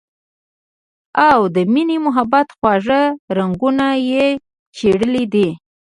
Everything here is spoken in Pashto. او د مينې محبت خواږۀ راګونه ئې چېړلي دي